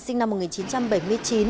sinh năm một nghìn chín trăm bảy mươi chín